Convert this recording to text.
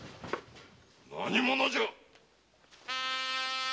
何者じゃ？